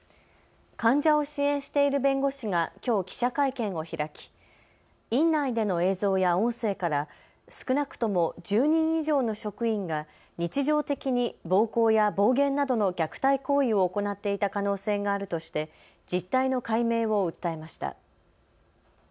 患者を支援している弁護士がきょう記者会見を開き院内での映像や音声から少なくとも１０人以上の職員が日常的に暴行や暴言などの虐待行為を行っていた可能性があるとして実態の解明を訴えました。